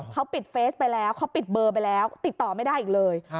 เขาปิดเฟสไปแล้วเขาปิดเบอร์ไปแล้วติดต่อไม่ได้อีกเลย